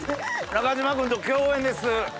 中島君と共演です。